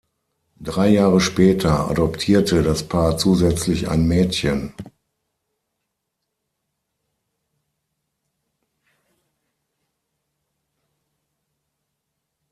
Drei Jahre später adoptierte das Paar zusätzlich ein Mädchen.